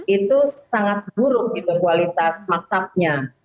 itu sangat buruk itu kualitas maktabnya